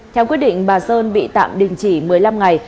theo quyết định bà sơn bị tạm đình chỉ một mươi năm ngày